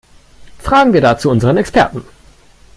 Fragen wir dazu unseren Experten.